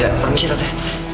ya permisi tante